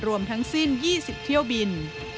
รวมทั้งสิ้น๒๐เที่ยวบิน